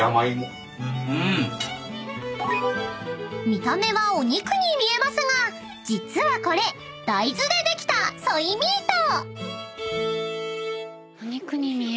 ［見た目はお肉に見えますが実はこれ大豆でできたソイミート］